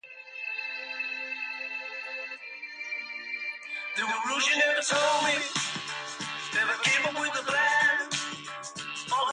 Gowariker was born to Ashok and Kishori Gowariker.